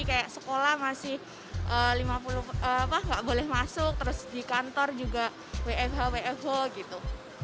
kayak sekolah masih lima puluh apa nggak boleh masuk terus di kantor juga wfh wfh gitu